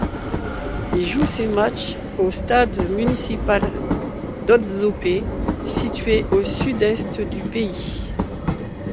Il joue ses matches au Stade municipal d'Adzopé, situé au sud-est du pays.